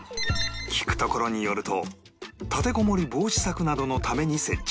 聞くところによると立てこもり防止策などのために設置